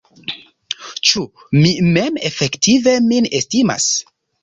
Ĉu mi mem efektive min estimas?